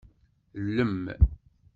Llem.